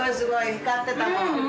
光ってたもん。